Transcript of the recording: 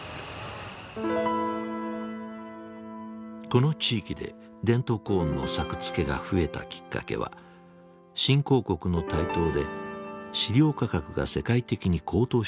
この地域でデントコーンの作付けが増えたきっかけは新興国の台頭で飼料価格が世界的に高騰したことにある。